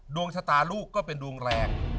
ดวงชะตาลูกก็เป็นดวงแรง